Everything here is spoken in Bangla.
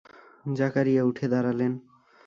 জাকারিয়া উঠে দাঁড়ালেন।